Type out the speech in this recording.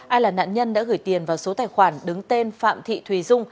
ai là nạn nhân đã gửi tiền vào số tài khoản đứng tên phạm thị thùy dung